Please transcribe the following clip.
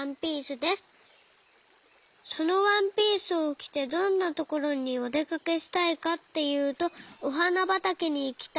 そのワンピースをきてどんなところにおでかけしたいかっていうとおはなばたけにいきたいです。